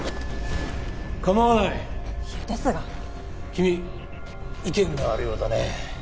君意見があるようだね。